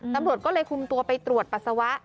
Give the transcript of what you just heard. ตำรวจก็เลยคุมตัวไปตรวจปัสสาวะ